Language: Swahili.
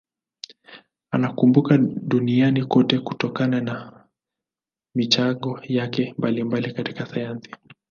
Anakumbukwa duniani kote kutokana na michango yake mbalimbali katika sayansi.